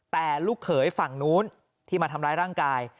แต่ลูกเขยฝั่งนู้นที่มาทำร้ายร่างกาย